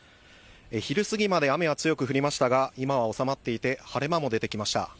昼過ぎまで雨が強く降りましたが今は収まっていて晴れ間も出てきました。